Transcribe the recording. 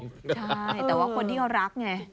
ใช่แต่ว่าคนที่เขารักไง